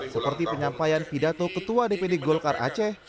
seperti penyampaian pidato ketua dpd golkar aceh